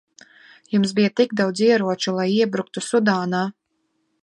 Jums bija tik daudz ieroču, lai iebruktu Sudānā.